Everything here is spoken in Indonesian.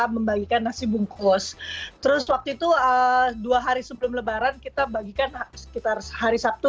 membagikan nasi bungkus terus waktu itu dua hari sebelum lebaran kita bagikan sekitar hari sabtu